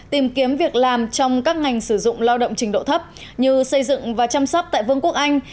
tìm kiếm việc làm trong các ngành sử dụng lao động trình độ thấp như xây dựng và chăm sóc tại vương quốc anh